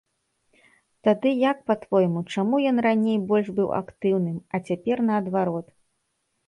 Тады як, па-твойму, чаму ён раней больш быў актыўным, а цяпер наадварот?